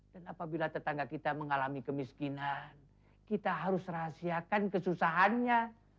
dan apabila tetangga kita mengalami kemiskinan kita harus rahasiakan kesusahannya